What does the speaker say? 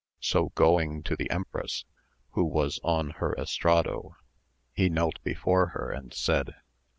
So going to the empress, who was on her estrado, he knelt before her and said.